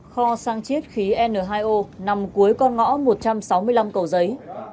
kho sang chiết khí n hai o nằm cuối con ngõ một trăm sáu mươi năm cầu giấy